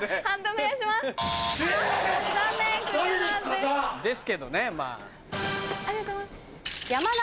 判定お願いします。